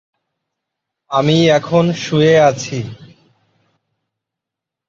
প্রত্নতাত্ত্বিক উন্মুক্ত ক্ষেত্র ব্যবস্থার মতো গ্রামগুলি প্রায়শই একত্রিত না থেকে রাস্তার পাশে ছড়িয়ে ছিটিয়ে গড়ে উঠে।